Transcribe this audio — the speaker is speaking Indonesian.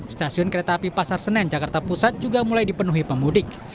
stasiun kereta api pasar senen jakarta pusat juga mulai dipenuhi pemudik